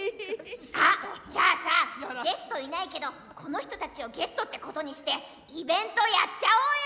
あっじゃあさゲストいないけどこの人たちをゲストってことにしてイベントやっちゃおうよ！